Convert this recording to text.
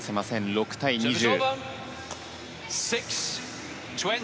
６対２０。